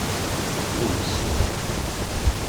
Ur yessin ara.